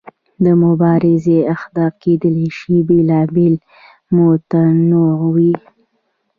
د مبارزې اهداف کیدای شي بیلابیل او متنوع وي.